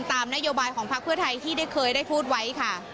ตามนโยบายของพักเพื่อไทยที่ได้เคยได้พูดไว้ค่ะ